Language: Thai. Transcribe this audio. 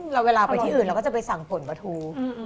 รสชาติมันก็ไม่อยากให้กระดูก